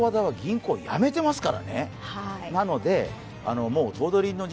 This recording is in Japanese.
銀行辞めてますから。